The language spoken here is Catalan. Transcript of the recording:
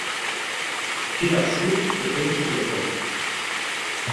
Que absurd que pensis això!